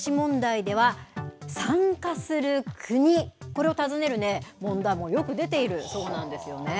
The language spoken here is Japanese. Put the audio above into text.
入試問題では、参加する国、これを尋ねるね、問題もよく出ているそうなんですよね。